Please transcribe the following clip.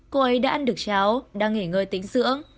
cô ấy đã ăn được cháo đang nghỉ ngơi tính sữa